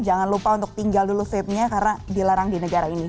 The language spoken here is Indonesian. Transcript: jangan lupa untuk tinggal dulu vape nya karena dilarang di negara ini